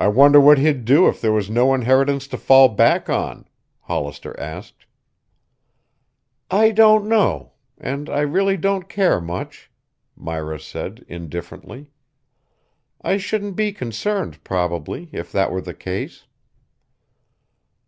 "I wonder what he'd do if there was no inheritance to fall back on?" Hollister asked. "I don't know and I really don't care much," Myra said indifferently. "I shouldn't be concerned, probably, if that were the case."